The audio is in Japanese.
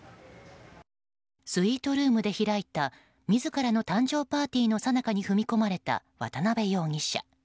スイートルームで開いた自らの誕生パーティーのさなかに踏み込まれた渡辺容疑者。